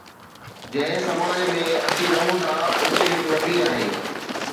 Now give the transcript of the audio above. جنهن سماج ۾ اسين رهون ٿا، اتي هڪ نبي آهي.